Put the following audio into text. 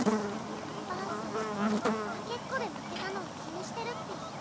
バースかけっこでまけたのを気にしてるッピ。